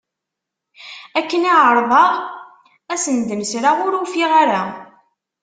Akken i ɛerḍeɣ ad asen-d-nesreɣ ur ufiɣ ara.